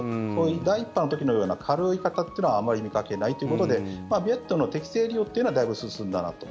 第１波の時のような軽い方というのはあまり見かけないということでベッドの適正利用というのはだいぶ進んだなと。